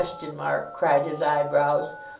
"?" cried his eyebrows. "?